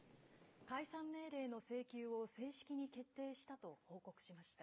解散命令の請求を正式に決定したと報告しました。